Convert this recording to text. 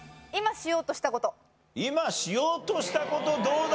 今しようとしたことどうだ？